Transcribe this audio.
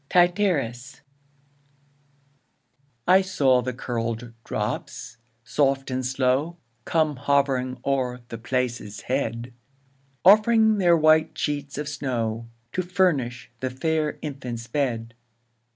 Tityrus. I saw the curl'd drops, soft and slow Come hovering o'er the place's head, Offring their whitest sheets of snow, To furnish the fair infant's bed.